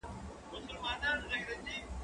زه پرون کتابتون ته وم.